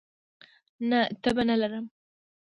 نه، تبه نه لرم